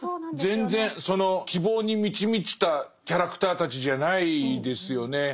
希望に満ち満ちたキャラクターたちじゃないですよね。